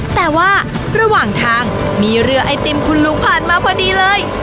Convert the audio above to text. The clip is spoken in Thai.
แต่ว่าระหว่างทางมีเรือไอติมคุณลุงผ่านมาพอดีเลย